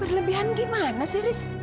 berlebihan gimana sih riz